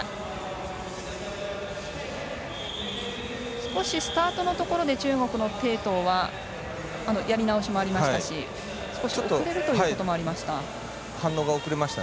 少しスタートのところで中国の鄭濤はやり直しもありましたし遅れるということもありました。